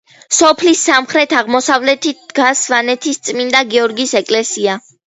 სოფლის სამხრეთ-აღმოსავლეთით დგას სავანეთის წმინდა გიორგის ეკლესია.